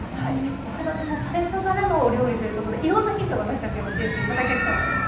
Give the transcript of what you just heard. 子育てもされながらのお料理ということでいろんなヒント私たち教えて頂けそうです。